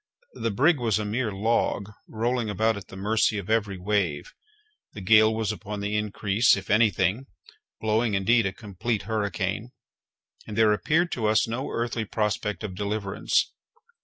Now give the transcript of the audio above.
The brig was a mere log, rolling about at the mercy of every wave; the gale was upon the increase, if any thing, blowing indeed a complete hurricane, and there appeared to us no earthly prospect of deliverance.